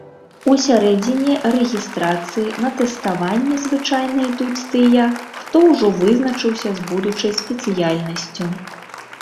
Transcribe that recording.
У сярэдзіне рэгістрацыі на тэставанне звычайна ідуць тыя, хто ўжо вызначыўся з будучай спецыяльнасцю.